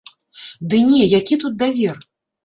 Ды не, які тут давер?